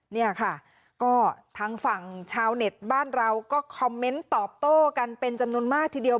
เนี่ยค่ะก็ทางฝั่งชาวเน็ตบ้านเราก็คอมเมนต์ตอบโต้กันเป็นจำนวนมากทีเดียว